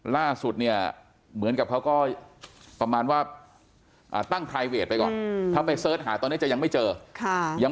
ล่าสุดเนี่ยเหมือนกับเขาก็ประมาณว่าตั้งไพรเวทไปก่อนถ้าไปเสิร์ชหาตอนนี้จะยังไม่เจอค่ะยัง